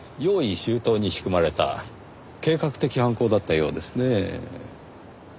周到に仕組まれた計画的犯行だったようですねぇ。